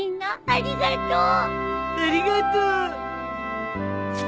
ありがとう。